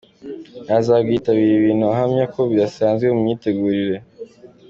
yazabwitabira, ibintu ahamya ko bidasanzwe mu mitegurire